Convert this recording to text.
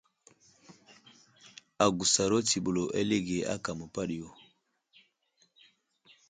Agusaro tsiɓlo alige áka məpaɗiyo.